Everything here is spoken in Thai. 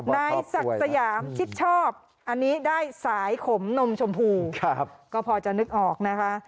นายศักดิ์สยามชิดชอบอันนี้ได้สายขมนมชมพูก็พอจะนึกออกนะคะ